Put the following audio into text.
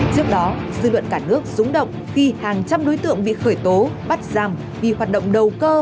trước đó dư luận cả nước rúng động khi hàng trăm đối tượng bị khởi tố bắt giam vì hoạt động đầu cơ